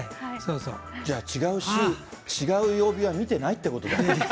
じゃあ、違う曜日は見てないってことだ。